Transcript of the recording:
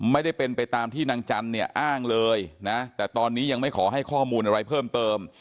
ไม่ได้เป็นไปตามที่นางจันทร์เนี่ยอ้างเลยนะแต่ตอนนี้ยังไม่ขอให้ข้อมูลอะไรเพิ่มเติม